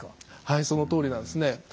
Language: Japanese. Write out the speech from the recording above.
はいそのとおりなんですね。